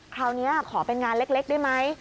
คราวนี้ขอเป็นงานเล็กได้ไหม